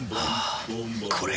これ。